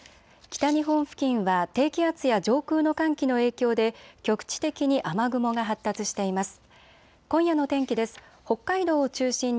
北日本付近は低気圧や上空の寒気の影響で局地的に雨雲が発達しています。